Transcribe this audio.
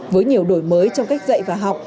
với nhiều đổi mới trong cách dạy và học